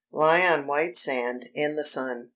Lie on white sand, in the sun